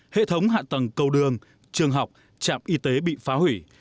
hệ thống hạ tầng cầu đường trường học trạm y tế bị phá hủy